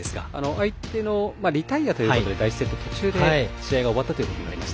相手のリタイアで第１セット途中で試合が終わったことになりました。